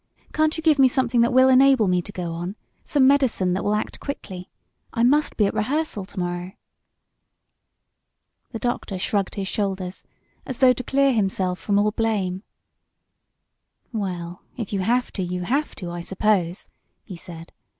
Can't you give me something that will enable me to go on some medicine that will act quickly? I must be at rehearsal to morrow." The doctor shrugged his shoulders as though to clear himself from all blame. "Well, if you have to you have to, I suppose," he said.